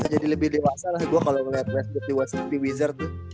jadi lebih dewasa lah gua kalo ngeliat westbrook dewasa seperti wizard tuh